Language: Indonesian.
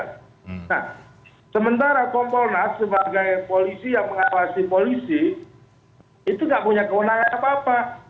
nah sementara kompolnas sebagai polisi yang mengawasi polisi itu nggak punya kewenangan apa apa